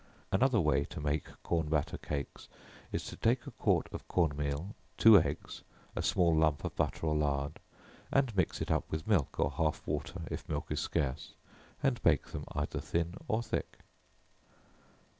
Another way to make corn batter cakes, is to take a quart of corn meal, two eggs, a small lump of butter or lard, and mix it up with milk, or half water, if milk is scarce, and bake them either thin or thick.